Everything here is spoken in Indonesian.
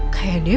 kayak dia woy